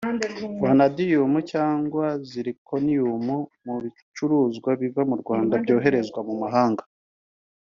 vanadium cyangwa zirconium mu bicuruzwa biva mu Rwanda byoherezwa mu mahanga